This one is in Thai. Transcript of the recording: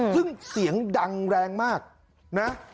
ซึ่งเสียงดังแรงมากนะ